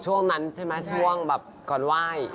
ช่วงนั้นใช่ไหมก่อนไหว้